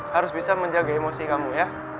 harus bisa menjaga emosi kamu ya